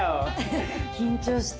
緊張した。